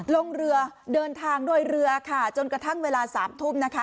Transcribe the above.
ลงเรือเดินทางโดยเรือค่ะจนกระทั่งเวลาสามทุ่มนะคะ